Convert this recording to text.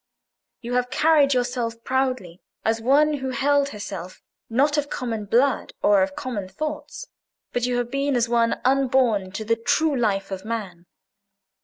You have carried yourself proudly, as one who held herself not of common blood or of common thoughts; but you have been as one unborn to the true life of man.